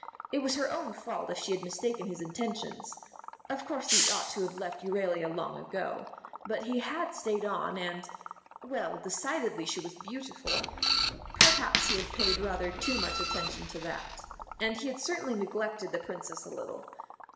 It was her own fault if she had mistaken his intentions. Of course he ought to have left Euralia long ago. But he had stayed on, and well, decidedly she was beautiful perhaps he had paid rather too much attention to that. And he had certainly neglected the Princess a little.